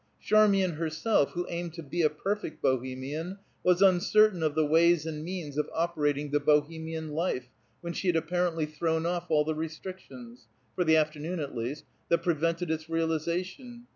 Charmian herself, who aimed to be a perfect Bohemian, was uncertain of the ways and means of operating the Bohemian life, when she had apparently thrown off all the restrictions, for the afternoon, at least, that prevented its realization.